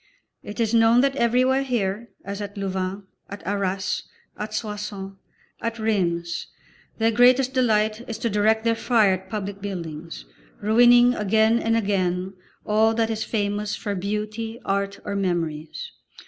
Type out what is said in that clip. It is known that everywhere here, as at Louvain, at Arras, at Soissons, at Rheims, their greatest delight is to direct their fire at public buildings, ruining again and again all that is famous for beauty, art or memories.